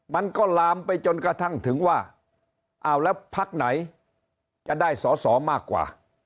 มันก็ลามไปจนกระทั่งถึงว่าอ้าวแล้วพักไหนจะได้สอสอมากกว่า